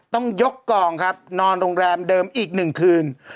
ต้องยกกองครับนอนโรงแรมเดิมอีก๑คืน